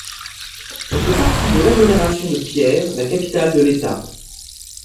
Elle fait partie de l’agglomération de Pierre, la capitale de l’État.